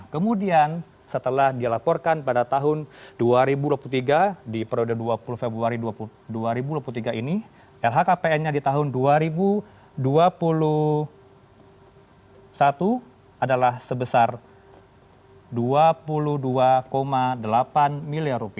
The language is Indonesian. kemudian setelah dilaporkan pada tahun dua ribu dua puluh tiga di periode dua puluh februari dua ribu dua puluh tiga ini lhkpn nya di tahun dua ribu dua puluh satu adalah sebesar rp dua puluh dua delapan miliar